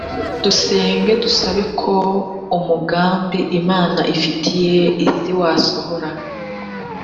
dusenga dusaba ko umugambi imana ifitiye isi wasohora